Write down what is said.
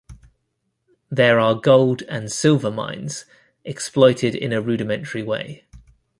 There are gold and silver mines, exploited in a rudimentary way.